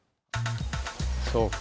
そうか。